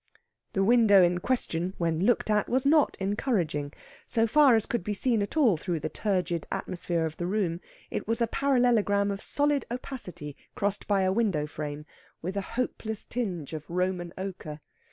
The window in question, when looked at, was not encouraging. So far as could be seen at all through the turgid atmosphere of the room, it was a parallelogram of solid opacity crossed by a window frame, with a hopeless tinge of Roman ochre.